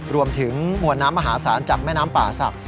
รวมถึงมวลน้ำมหาศาลจากแม่น้ำป่าศักดิ